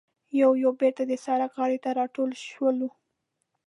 یو یو بېرته د سړک غاړې ته راټول شولو.